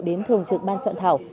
đến thường trực ban soạn thảo